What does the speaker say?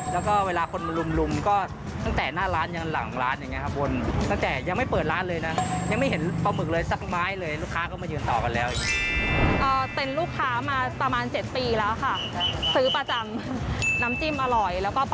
แล้วก็เวลาคนมาลุมก็ตั้งแต่หน้าร้านอย่างหลังร้านอย่างนี้ครับบนตั้งแต่ยังไม่เปิดร้านเลยนะยังไม่เห็นปลาหมึกเลยสักไม้เลยลูกค้าก็มายืนต่อกันแล้ว